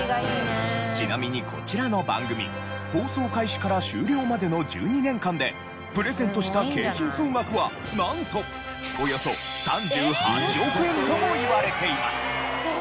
ちなみにこちらの番組放送開始から終了までの１２年間でプレゼントした景品総額はなんと。とも言われています。